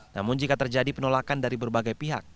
namun jika terjadi penolakan dari berbagai pihak